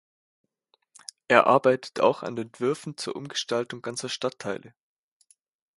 Er arbeitet auch an Entwürfen zur Umgestaltung ganzer Stadtteile.